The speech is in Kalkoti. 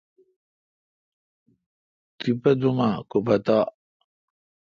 تیپہ دوم اؘ کو پتا۔